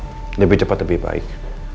iya dina lebih cepat lebih baik